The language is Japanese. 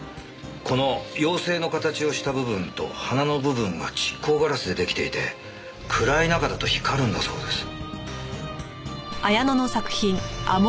この妖精の形をした部分と花の部分が蓄光ガラスで出来ていて暗い中だと光るんだそうです。